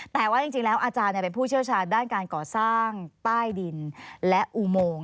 แต่ว่าจริงแล้วอาจารย์เป็นผู้เชี่ยวชาญด้านการก่อสร้างใต้ดินและอุโมง